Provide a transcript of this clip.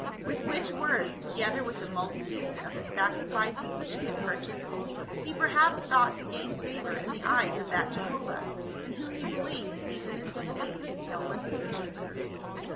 With which words, together with the multitude of the sacrifices which he had pur chased, he perhaps thought to gain favor in the eyes of that Jehovah, in whom he believed even as he be lieved in the Olympian Jupiter.